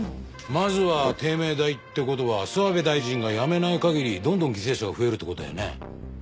まずは帝名大って事は諏訪部大臣が辞めない限りどんどん犠牲者が増えるって事だよね。